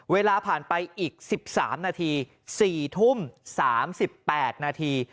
เวลาผ่านไปอีก๑๓นาที๔ทุ่ม๓๘นาที